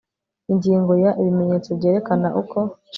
Ingingo ya Ibimenyetso byerekana uko